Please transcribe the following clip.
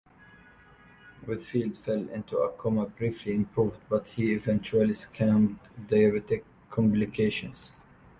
Whitfield fell into a coma, briefly improved, but he eventually succumbed to diabetic complications.